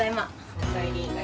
・おかえり。